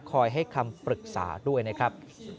คอยให้คำปรึกษาด้วยนะครับ